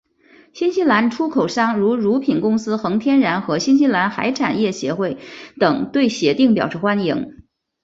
新西兰出口商如乳品公司恒天然和新西兰海产业议会等对协定表示欢迎。